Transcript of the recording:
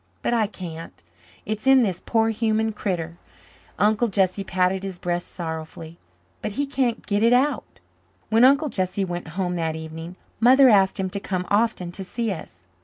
But I can't. It's in this poor human critter," Uncle Jesse patted his breast sorrowfully, "but he can't get it out." When Uncle Jesse went home that evening Mother asked him to come often to see us.